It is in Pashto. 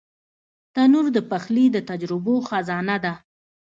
تنور د پخلي د تجربو خزانه ده